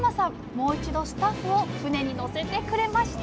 もう一度スタッフを船に乗せてくれました！